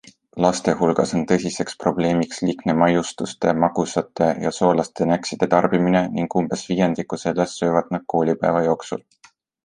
Laste hulgas on tõsiseks probleemiks liigne maiustuste, magusate ja soolaste näkside tarbimine ning umbes viiendiku sellest söövad nad koolipäeva jooksul.